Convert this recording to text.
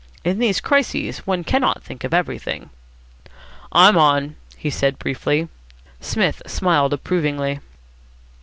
In these crises one cannot think of everything. "I'm on," he said, briefly. Psmith smiled approvingly.